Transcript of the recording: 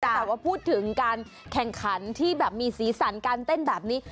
แต่ว่าพูดถึงการแข่งขันที่แบบมีสีสันการเต้นแบบนี้